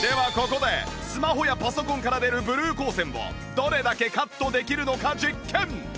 ここでスマホやパソコンから出るブルー光線をどれだけカットできるのか実験